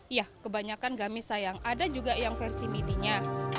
iya kebanyakan gamis sayang ada juga yang versi mitinya